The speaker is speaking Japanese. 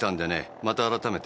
また改めて。